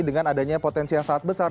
dengan adanya potensi yang sangat besar